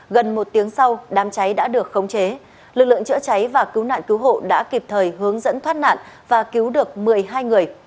gần một tiếng sau đám cháy đã được khống chế lực lượng chữa cháy và cứu nạn cứu hộ đã kịp thời hướng dẫn thoát nạn và cứu được một mươi hai người